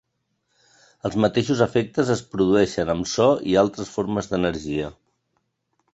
Els mateixos efectes es produeixen amb so i altres formes d'energia.